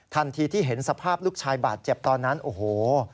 ทันทีที่เห็นสภาพลูกชายบาดเจ็บตอนนั้นโอ้โห